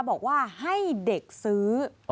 บอกว่าให้เด็กซื้อ